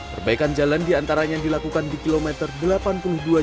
perbaikan jalan diantaranya dilakukan di kilometer delapan puluh dua